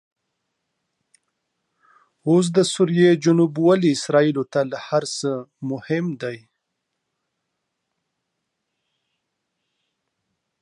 اوس دسوریې جنوب ولې اسرایلو ته له هرڅه مهم دي؟